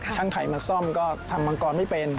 ไข่มาซ่อมก็ทำมังกรไม่เป็น